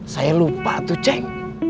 saya lupa tuh cek